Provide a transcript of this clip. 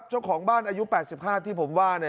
เจ้าของบ้านอายุ๘๕ที่ผมว่า